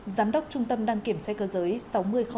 giám đốc trung tâm đăng kiểm xe cơ giới sáu nghìn một s